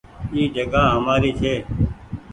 اي جگآ همآري ڇي۔